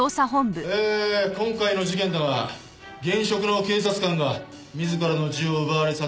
えー今回の事件だが現職の警察官が自らの銃を奪われ殺害された。